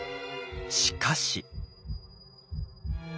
しかし。